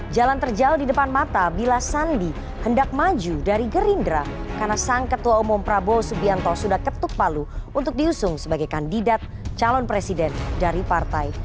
jalan terjal di depan mata bila sandi hendak maju dari gerindra karena sang ketua umum prabowo subianto sudah ketuk palu untuk diusung sebagai kandidat calon presiden dari partai